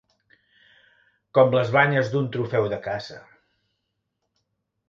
Com les banyes d'un trofeu de caça.